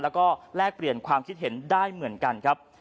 แล้วก็แลกเปลี่ยนความคิดเห็นได้เหมือนกันครับ